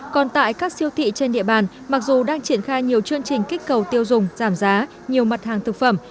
còn tại các siêu thị trên địa bàn mặc dù đang triển khai nhiều chương trình kích cầu tiêu dùng giảm giá nhiều mặt hàng thực phẩm